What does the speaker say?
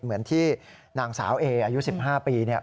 เหมือนที่นางสาวเออายุ๑๕ปีเนี่ย